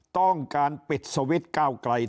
ต้องการปิดสวิทธิ์เก้าไกร